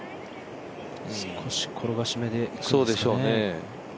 少し転がしめでいくでしょうね。